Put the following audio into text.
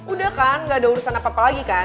udah kan gak ada urusan apa apa lagi kan